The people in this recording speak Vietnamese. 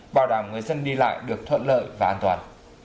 bảo đảm người dân đi lại được thuận lợi và an toàn